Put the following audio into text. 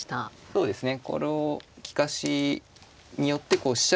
そうですね。